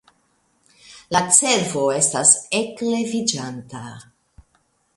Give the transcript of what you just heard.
La cervo estas ekleviĝanta.